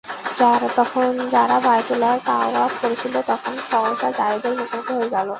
তারা যখন বাইতুল্লাহর তাওয়াফ করছিল তখন সহসা যায়েদের মুখোমুখি হয়ে গেল।